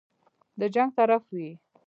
د جنګ طرف وي.